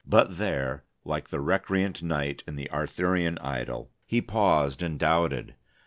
But there, like the recreant knight in the Arthurian idyl, he paused and doubted.